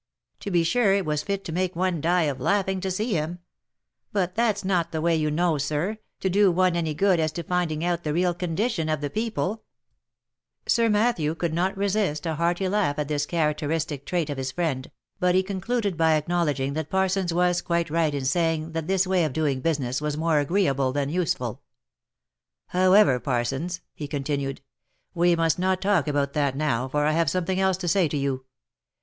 To be sure, it was fit to make one die of laughing to see him ; but that's not the way you know, sir, to do one any good as to finding out the real condition of the people." OF MICHAEL ARMSTRONG. 33 Sir Matthew could not resist a hearty laugh at this characteristic trait of his friend, but he concluded by acknowledging that Parsons was quite right in saying that this way of doing business was more agreeable than useful. " However, Parsons," he continued, " we must not talk about that now, for I have something else to say to you.